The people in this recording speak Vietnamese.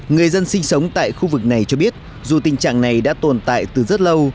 người dân sinh sống tại khu vực này cho biết dù tình trạng này đã tồn tại từ rất lâu